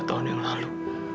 lima tahun yang lalu